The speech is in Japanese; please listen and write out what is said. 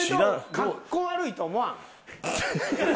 かっこ悪いと思わん？